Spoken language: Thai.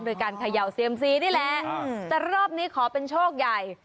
โดยการเขย่าเซียมซีนี่แหละแต่รอบนี้ขอเป็นโชคใหญ่